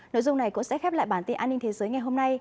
nội dung này cũng sẽ khép lại bản tin an ninh thế giới ngày hôm nay